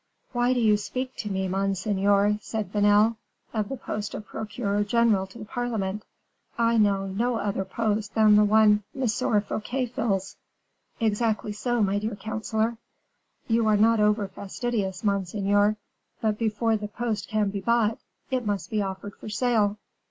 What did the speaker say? "Why do you speak to me, monseigneur," said Vanel, "of the post of procureur general to the parliament; I know no other post than the one M. Fouquet fills." "Exactly so, my dear counselor." "You are not over fastidious, monseigneur; but before the post can be bought, it must be offered for sale."